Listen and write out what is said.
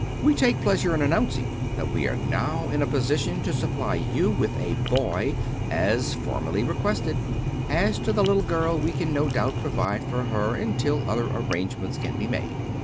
We take pleasure in announcing that we are now in a position to supply you with a boy as formerly requested. As to the little girl, we can no doubt provide for her until other arrangements can be made.